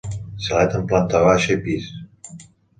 Xalet amb planta baixa i pis.